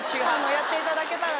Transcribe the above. やっていただけたらなと。